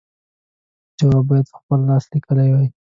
جواب باید په خپل لاس لیکلی وای.